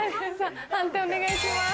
判定お願いします。